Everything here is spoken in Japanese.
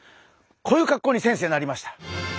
こういう格好に先生なりました。